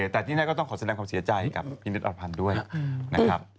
แต่ที่นั่นก็ต้องขอแสดงความเสียใจกับพี่นิดอรพันธ์ด้วยนะครับ